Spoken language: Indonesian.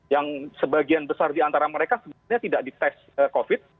yang sebagian besar di antara mereka sebenarnya tidak dites covid